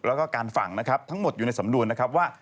แล้วก็การฝังนะครับทั้งหมดอยู่ในสำนวนนะครับว่า